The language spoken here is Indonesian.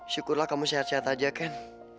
syukurlah kamu sehat sehat aja kan